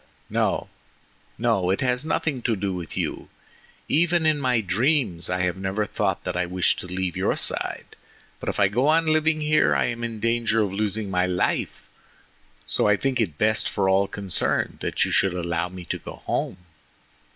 "No! no! it has nothing to do with you—even in my dreams I have never thought that I wished to leave your side; but if I go on living here I am in danger of losing my life, so I think it best for all concerned that you should allow me to go home!"